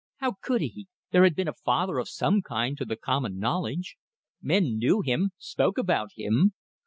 How could he? There had been a father of some kind to the common knowledge. Men knew him; spoke about him.